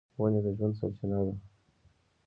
ونې د ژوند سرچینه ده.